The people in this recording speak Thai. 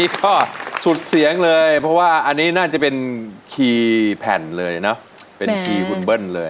คีย์แผ่นเลยนะเป็นคีย์หุ่นเบิ้ลเลย